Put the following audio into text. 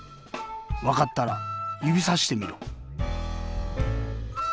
わかったらゆびさしてみろ。